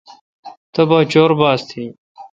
تبا چور باس تھی۔